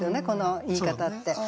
この言い方って。